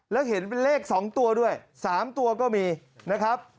และเห็นเลขสองตัวด้วยสามตัวก็มีนะครับ